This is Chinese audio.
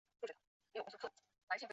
曼比季为该区的首府。